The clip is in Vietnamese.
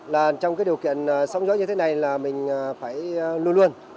là trong cái điều kiện sóng gió như thế này là mình phải luôn luôn